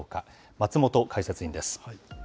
松本解説委員です。